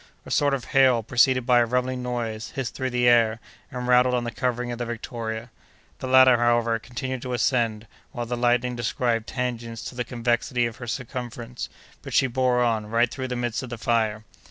A sort of hail, preceded by a rumbling noise, hissed through the air and rattled on the covering of the Victoria. The latter, however, continued to ascend, while the lightning described tangents to the convexity of her circumference; but she bore on, right through the midst of the fire.